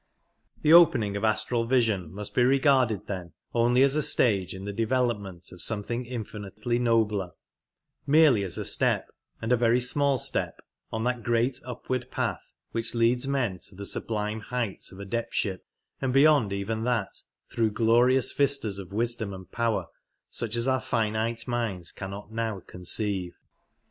The opening of astral vision must be regarded then only as a stage in the development of something infinitely nobler — merely as a step, and a very small step, on that great Upward Path which leads men to the sublime heights of Adeptship, and beyond even that through glorious vistas of wisdom and power such as our finite minds cannot now conceive.